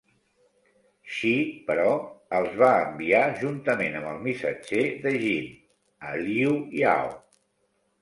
Shi, però, els va enviar, juntament amb el missatger de Jin, a Liu Yao.